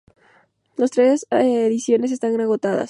Las tres ediciones están agotadas.